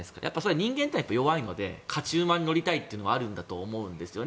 人間というのは弱いので勝ち馬に乗りたいというのはあると思うんですね。